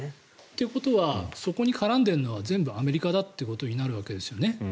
ということはそこに絡んでいるのは全部アメリカだとなるんですよね。